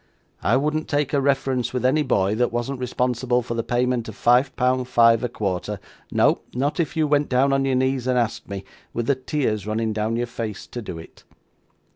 I wouldn't take a reference with any boy, that wasn't responsible for the payment of five pound five a quarter, no, not if you went down on your knees, and asked me, with the tears running down your face, to do it.